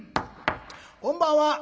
こんばんは。